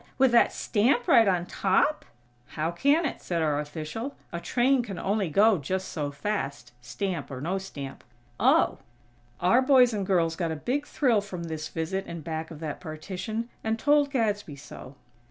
With that stamp right on top?" "How can it?" said our official. "A train can only go just so fast, stamp or no stamp." "Oh." Our boys and girls got a big thrill from this visit in back of that partition, and told Gadsby so.